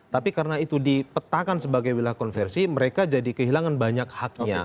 tapi karena itu dipetakan sebagai wilayah konversi mereka jadi kehilangan banyak haknya